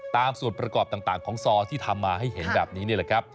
ส่วนประกอบต่างของซอที่ทำมาให้เห็นแบบนี้นี่แหละครับ